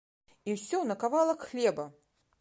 І ўсё на кавалак хлеба!